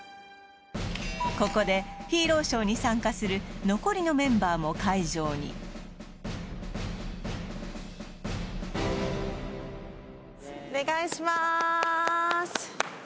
ここでヒーローショーに参加する残りのメンバーも会場にお願いします